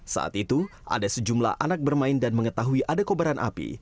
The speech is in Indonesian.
saat itu ada sejumlah anak bermain dan mengetahui ada kobaran api